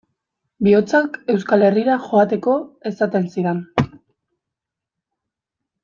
Bihotzak Euskal Herrira joateko esaten zidan.